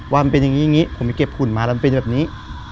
ว่ามันเป็นอย่างนี้ผมไปเก็บขุนมาแล้วมันเป็นแบบนี้